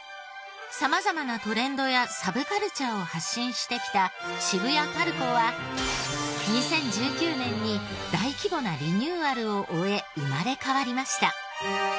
様々なトレンドやサブカルチャーを発信してきた渋谷パルコは２０１９年に大規模なリニューアルを終え生まれ変わりました。